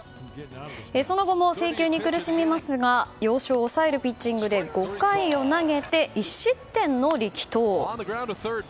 その後も制球に苦しみますが要所を抑えるピッチングで５回を投げて１失点の力投。